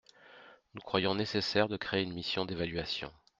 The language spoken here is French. Nous croyons nécessaire de créer une mission d’évaluation.